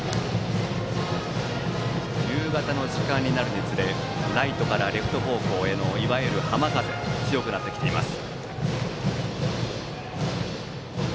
夕方の時間になるにつれライトからレフト方向へのいわゆる浜風が強くなってきています。